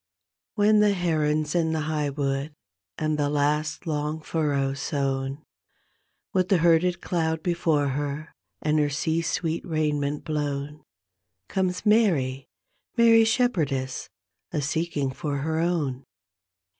Wben the heron's in the hig^ wood and the last long furrow's sown With the herded cloud before her and her sea sweet raiment blown Comes Mary, Mary Shepherdess, a seeking for her own.